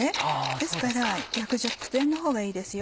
ですから焼く直前のほうがいいですよ。